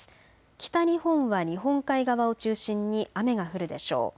北日本は日本海側を中心に雨が降るでしょう。